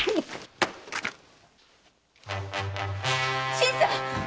新さん！